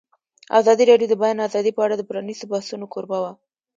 ازادي راډیو د د بیان آزادي په اړه د پرانیستو بحثونو کوربه وه.